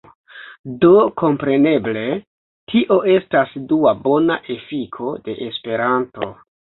Do kompreneble, tio estas dua bona efiko de Esperanto.